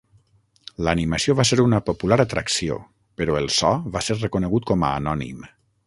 L'animació va ser una popular atracció, però el so va ser reconegut com a anònim.